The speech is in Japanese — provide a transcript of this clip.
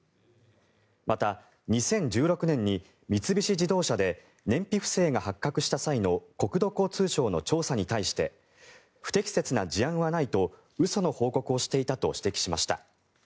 また２０１６年に三菱自動車で燃費不正が発覚した際の国土交通省の調査に対して不適切な事案はないと嘘の報告をしていたと指摘しました。